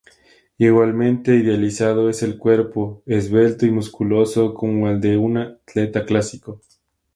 Igualmente idealizado es el cuerpo, esbelto y musculoso como el de un atleta clásico.